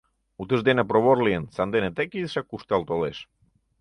Утыждене провор лийын, сандене тек изишак куржтал толеш.